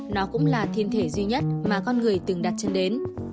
nó cũng là thiên thể duy nhất mà con người từng đặt chân đến